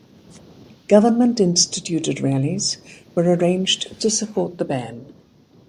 Government-instituted rallies were arranged to support the ban.